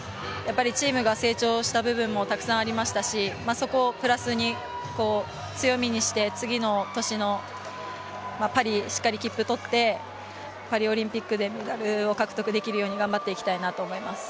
チームが成長した部分もたくさんありましたしそこをプラスに強みにして、次の年のパリしっかり切符を取ってパリオリンピックでメダルを獲得できるように頑張っていきたいと思います。